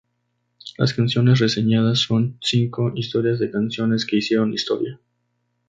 Las canciones reseñadas son cinco "historias de canciones que hicieron historia".